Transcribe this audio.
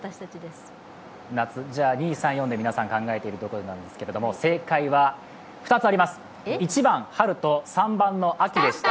２、３、４で皆さん考えていることになるんですけど正解は２つあります、１番春と３番の秋でした。